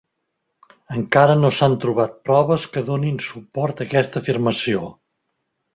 Encara no s'han trobat proves que donin suport a aquesta afirmació.